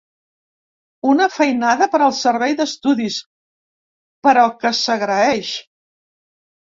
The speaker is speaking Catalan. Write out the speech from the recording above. Una feinada per al servei d’estudis, però que s’agraeix.